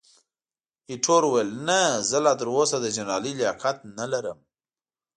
ایټور وویل، نه، زه لا تراوسه د جنرالۍ لیاقت نه لرم.